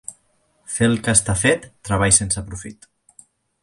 Fer el que està fet, treball sense profit.